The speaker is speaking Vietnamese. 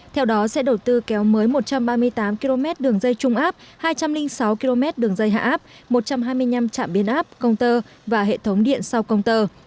theo đó sẽ đầu tư kéo mới một trăm ba mươi tám km đường dây trung áp hai trăm linh sáu km đường dây hạ áp một trăm hai mươi năm trạm biến áp công tơ và hệ thống điện sau công tơ